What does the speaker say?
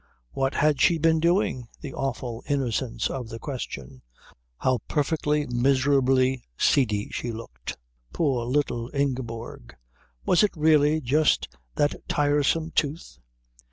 What had she been doing? (the awful innocence of the question) how perfectly miserably seedy she looked; poor little Ingeborg; was it really just that tiresome tooth?